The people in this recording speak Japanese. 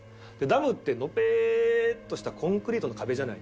ダムってのぺーっとしたコンクリートの壁じゃないですか。